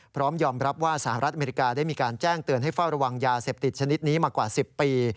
พร้อมยอมรับว่าสหรัฐอเมริกาได้มีการแจ้งเตือนให้เฝ้าระวังยาเสพติดชนิดนี้มากว่า๑๐ปี